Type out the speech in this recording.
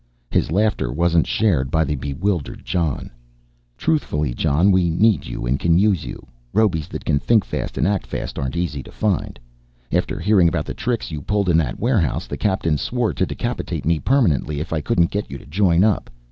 His laughter wasn't shared by the bewildered Jon. "Truthfully, Jon, we need you and can use you. Robes that can think fast and act fast aren't easy to find. After hearing about the tricks you pulled in that warehouse, the Captain swore to decapitate me permanently if I couldn't get you to join up.